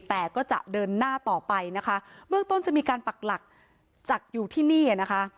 แต่ก็จะเดินหน้าต่อไปนะคะเบื้องต้นจะมีการปักหลักจากอยู่ที่นี่นะคะ